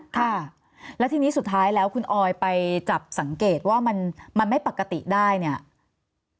ค่ะแล้วทีนี้สุดท้ายแล้วคุณออยไปจับสังเกตว่ามันไม่ปกติได้เนี่ย